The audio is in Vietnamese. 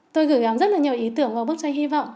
tôi gửi góng rất nhiều ý tưởng vào bức tranh hy vọng